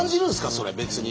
それ別に。